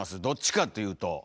どっちかというと。